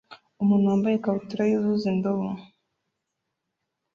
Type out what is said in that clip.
Umuntu wambaye ikabutura yuzuza indobo